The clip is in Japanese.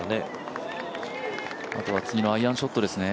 あとは次のアイアンショットですね。